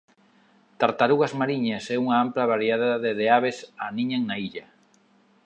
Tartarugas mariñas e unha ampla variedade de aves aniñan na illa.